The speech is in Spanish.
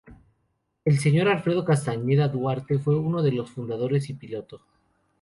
El señor Alfredo Castañeda Duarte fue uno de los fundadores y piloto.